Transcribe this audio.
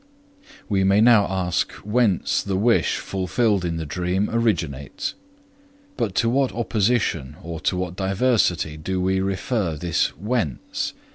We may now ask whence the wish fulfilled in the dream originates. But to what opposition or to what diversity do we refer this "whence"?